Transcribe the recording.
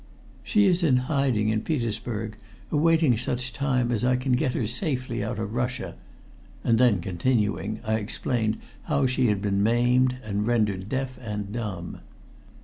"She is in hiding in Petersburg, awaiting such time as I can get her safely out of Russia," and then, continuing, I explained how she had been maimed and rendered deaf and dumb.